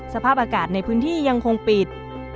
สภาพอากาศในพื้นที่ยังคงปิด